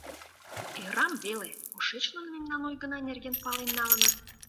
Ӧрам веле, кушеч нуно мемнан ойгына нерген пален налыныт?